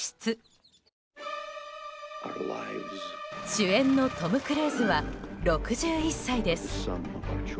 主演のトム・クルーズは６１歳です。